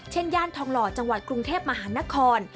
ย่านทองหล่อจังหวัดกรุงเทพมหานคร